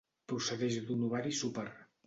Procedeix d'un ovari súper.